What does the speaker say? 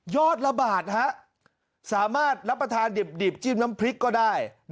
ละบาทฮะสามารถรับประทานดิบจิ้มน้ำพริกก็ได้